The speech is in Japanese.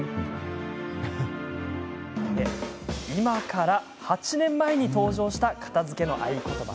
今から８年前に登場した片づけの合言葉